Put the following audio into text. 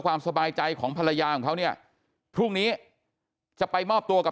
ความสบายใจของภรรยาของเขาเนี่ยพรุ่งนี้จะไปมอบตัวกับ